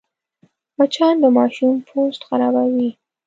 مچان د ماشوم پوست خرابوي